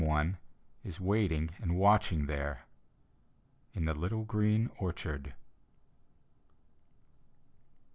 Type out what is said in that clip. one is waiting and watching there, In the little green orchard.